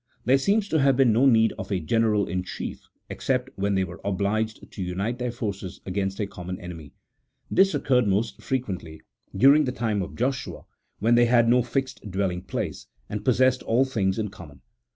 There seems to have been no need of a general in chief , except when they were obliged to unite their forces against a common enemy. This occurred most frequently during the time of Joshua, when they had no fixed dwelling place, and possessed all things in common.